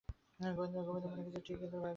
গোবিন্দমাণিক্য যে ঠিক এতটা ভাবিয়াছিলেন তাহা নহে।